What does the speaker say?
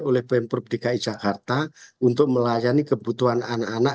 oleh pemprov dki jakarta untuk melayani kebutuhan anak anak